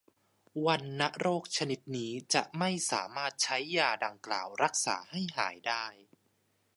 วัณโรคชนิดนี้จะไม่สามารถใช้ยาดังกล่าวรักษาให้หายได้